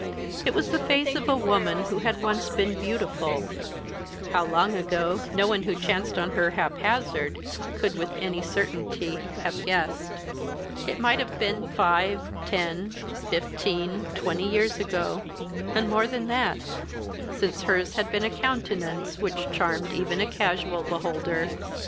It was the face of a woman who had once been beautiful how long ago, no one who chanced on her haphazard could with any certainty have guessed. It might have been five, ten, fifteen, twenty years ago and more than that since hers had been a countenance which charmed even a casual beholder.